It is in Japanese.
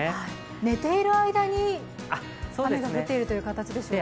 寝ている間に雨が降っているという形ですか？